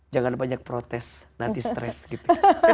jangan banyak protes nanti stres gitu